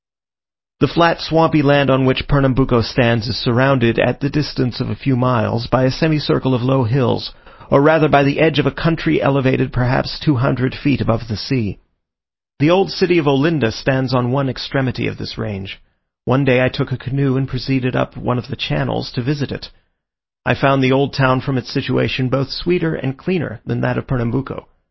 The flat swampy land on which Pernambuco stands is surrounded, at the distance of a few miles, by a semicircle of low hills, or rather by the edge of a country elevated perhaps two hundred feet above the sea. The old city of Olinda stands on one extremity of this range. One day I took a canoe, and proceeded up one of the channels to visit it; I found the old town from its situation both sweeter and cleaner than that of Pernambuco.